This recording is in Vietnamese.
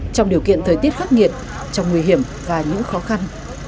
trong điều kiện thời tiết khắc nghiệt trong nguy hiểm và những khó khăn